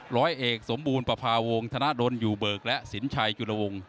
ร้อยเอกสมบูรณ์ประพาวงธนดลอยู่เบิกและสินชัยจุลวง